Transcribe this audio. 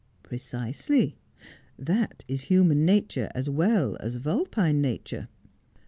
' Precisely. That is human nature as well as vulpine nature.